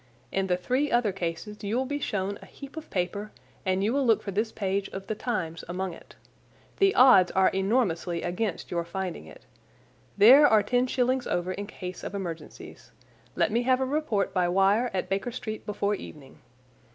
In the three other cases you will be shown a heap of paper and you will look for this page of the Times among it. The odds are enormously against your finding it. There are ten shillings over in case of emergencies. Let me have a report by wire at Baker Street before evening.